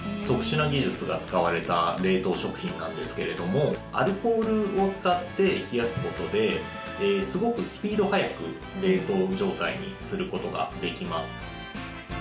特殊な技術が使われた冷凍食品なんですけれどもアルコールを使って冷やすことですごくスピード速く冷凍状態にすることができます。